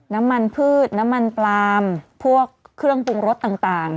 น้ำมันพืชน้ำมันปลามพวกเครื่องปรุงรสต่าง